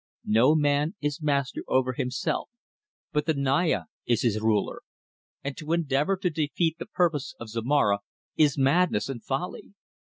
No man is master over himself, but the Naya is his ruler; and to endeavour to defeat the purpose of Zomara is madness and folly.